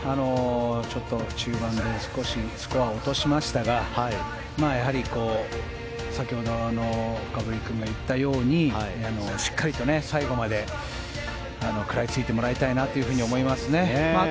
中盤で少しスコアを落としましたがやはり、先ほど深堀君も言ったようにしっかり最後まで食らいついてもらいたいなと思いますね。